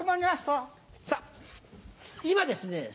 今ですね